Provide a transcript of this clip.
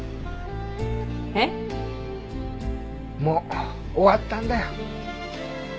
もう終わったんだよ。